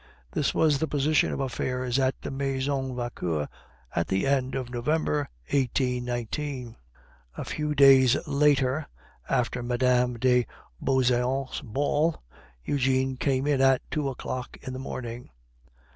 This was the position of affairs at the Maison Vauquer at the end of November 1819. A few days later, after Mme. de Beauseant's ball, Eugene came in at two o'clock in the morning.